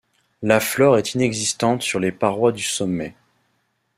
La flore est inexistante sur les parois du sommet.